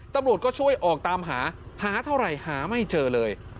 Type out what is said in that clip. ตำรวจก็ช่วยออกตามหาหาเท่าไหร่หาไม่เจอเลย